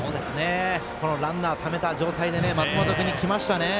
このランナーためた状態で松本君にきましたね。